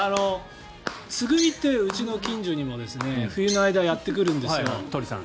ツグミってうちの近所にも冬の間、やってくるんですよ。